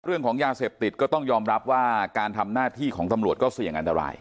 เรื่องของยาเสพติดก็ต้องยอมรับว่าการทำหน้าที่ของตำรวจก็เสี่ยงอันตราย